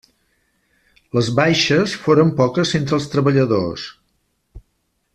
Les baixes foren poques entre els treballadors.